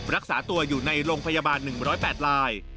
รักษาตัวอยู่ในโรงพยาบาล๑๐๘ลาย